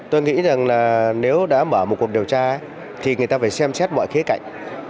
tôi nghĩ rằng là nếu đã mở một cuộc điều tra thì người ta phải xem xét mọi khía cạnh